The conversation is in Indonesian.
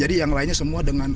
jadi yang lainnya semua dengan ac